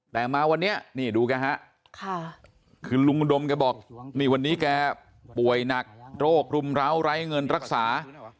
แต่มาวันนี้นี่ดูแกฮะคือลุงอุดมแกบอกนี่วันนี้แกป่วยหนักโรครุมร้าวไร้เงินรักษา